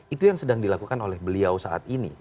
itu yang sedang dilakukan oleh beliau saat ini